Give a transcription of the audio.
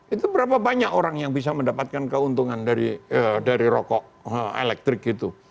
itu berapa banyak orang yang bisa mendapatkan keuntungan dari rokok elektrik itu